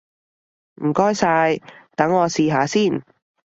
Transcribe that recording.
唔該晒，等我試下先！